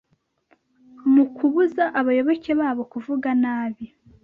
mu kubuza abayoboke babo kuvuga nabi